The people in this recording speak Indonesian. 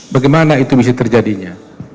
bagaimana itu bisa terjadinya